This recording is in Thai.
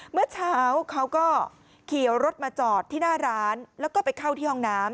เมื่อเช้าเขาก็ขี่รถมาจอดที่หน้าร้านแล้วก็ไปเข้าที่ห้องน้ำ